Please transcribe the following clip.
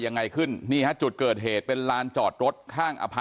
ยังไงขึ้นนี่ฮะจุดเกิดเหตุเป็นลานจอดรถข้างอพาร์